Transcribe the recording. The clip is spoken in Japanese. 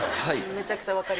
めちゃくちゃ分かります。